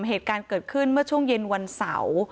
เหตุการณ์เกิดขึ้นเมื่อช่วงเย็นวันเสาร์